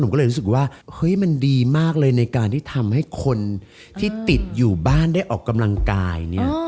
ก็เลยรู้สึกว่าเฮ้ยมันดีมากเลยในการที่ทำให้คนที่ติดอยู่บ้านได้ออกกำลังกายเนี่ย